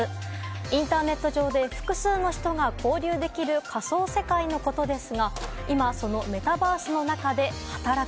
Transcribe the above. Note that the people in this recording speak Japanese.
インターネット上で複数の人が交流できる仮想世界のことですが今、そのメタバースの中で働く。